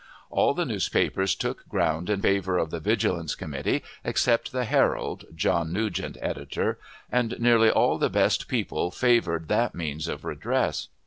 All the newspapers took ground in favor of the Vigilance Committee, except the Herald (John Nugent, editor), and nearly all the best people favored that means of redress.